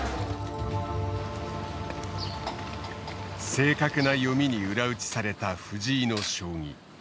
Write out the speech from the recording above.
正確な読みに裏打ちされた藤井の将棋。